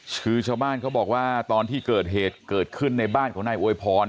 คือชาวบ้านเขาบอกว่าตอนที่เกิดเหตุเกิดขึ้นในบ้านของนายอวยพร